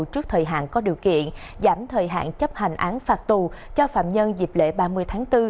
trước thời hạn có điều kiện giảm thời hạn chấp hành án phạt tù cho phạm nhân dịp lễ ba mươi tháng bốn